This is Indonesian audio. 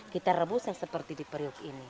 kita rebus yang seperti di periuk ini